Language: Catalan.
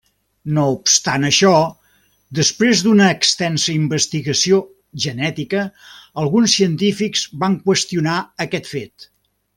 No obstant això, després d'una extensa investigació genètica, alguns científics van qüestionar aquest fet.